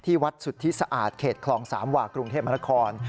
ที่วัดสุทธิสะอาดเขตคลอง๓หว่ากรุงเทพมหาละคร